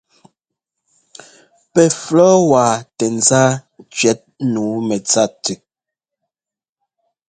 Pɛ flɔ̌wa tɛŋzá cʉ́ɛt nǔu mɛtsa tʉ.